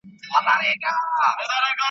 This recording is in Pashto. په ککړو په شکرونو سوه له خدایه ,